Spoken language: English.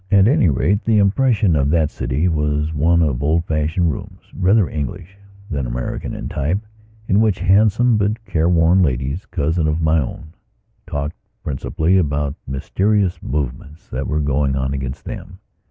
At any rate, the impression of that city was one of old fashioned rooms, rather English than American in type, in which handsome but careworn ladies, cousins of my own, talked principally about mysterious movements that were going on against them.